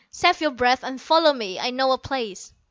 "Save your breath and follow me. I know a place."